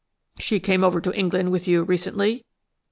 "She came over to England with you recently?"